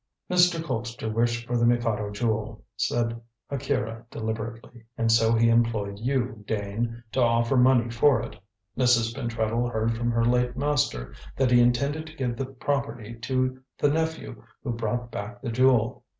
"Mr. Colpster wished for the Mikado Jewel," said Akira deliberately, "and so he employed you, Dane, to offer money for it. Mrs. Pentreddle heard from her late master that he intended to give the property to the nephew who brought back the Jewel.